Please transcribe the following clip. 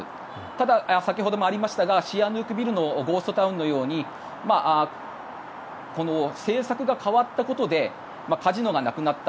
ただ、先ほどもありましたがシアヌークビルのゴーストタウンのように政策が変わったことでカジノがなくなった。